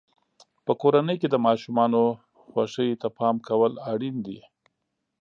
په کورنۍ کې د ماشومانو خوښۍ ته پام کول اړین دي.